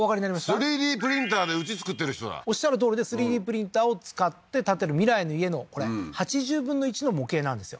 ３Ｄプリンターでうち造ってる人だおっしゃるとおりで３Ｄプリンターを使って建てる未来の家のこれ８０分の１の模型なんですよ